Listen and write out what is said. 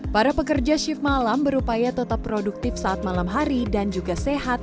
para pekerja shift malam berupaya tetap produktif saat malam hari dan juga sehat